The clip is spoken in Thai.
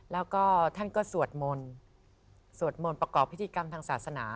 แล้วก็ท่านก็สวดมนต์สวดมนต์ประกอบพิธีกรรมทางศาสนา